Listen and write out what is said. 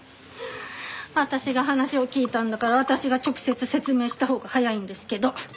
私が話を聴いたんだから私が直接説明したほうが早いんですけど。